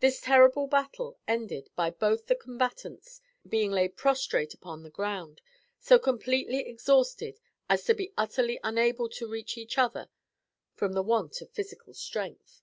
This terrible battle ended by both the combatants being laid prostrate upon the ground, so completely exhausted as to be utterly unable to reach each other from the want of physical strength.